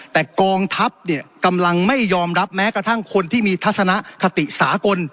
แต่กองทัพเนี่ยกำลังไม่ยอมรับแม้กระทั่งคนที่มีทัศนคติสากล